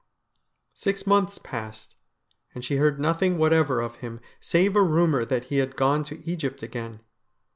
Six months passed, and she heard nothing whatever of him, save a rumour that he had gone to Egypt again.